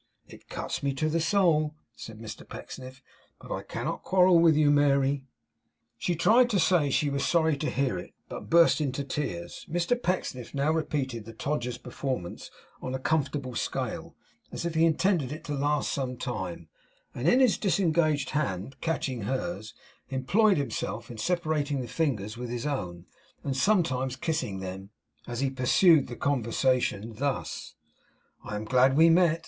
It cuts me to the soul,' said Mr Pecksniff; 'but I cannot quarrel with you, Mary.' She tried to say she was sorry to hear it, but burst into tears. Mr Pecksniff now repeated the Todgers performance on a comfortable scale, as if he intended it to last some time; and in his disengaged hand, catching hers, employed himself in separating the fingers with his own, and sometimes kissing them, as he pursued the conversation thus: 'I am glad we met.